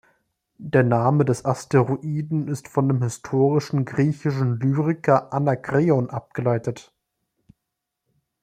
Der Name des Asteroiden ist von dem historischen griechischen Lyriker Anakreon abgeleitet.